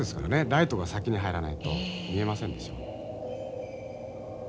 ライトが先に入らないと見えませんでしょう。